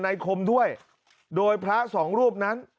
มีพฤติกรรมเสพเมถุนกัน